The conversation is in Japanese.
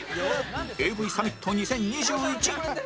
ＡＶ サミット２０２１